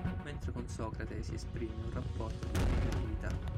Mentre con Socrate si esprime un rapporto di negatività.